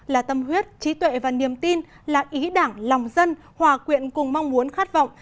là tâm huyết trí tuệ và niềm tin là ý đảng lòng dân hòa quyện cùng mong muốn khát vọng